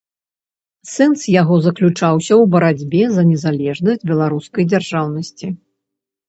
Сэнс яго заключаўся ў барацьбе за незалежнасць беларускай дзяржаўнасці.